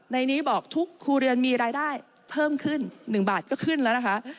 ในนี้บอกทุกครัวเรือนมีรายได้เพิ่มขึ้น๑บาทก็ขึ้นแล้วนะคะ